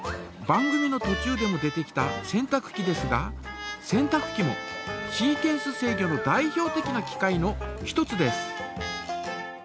番組のとちゅうでも出てきた洗濯機ですが洗濯機もシーケンス制御の代表的な機械の一つです。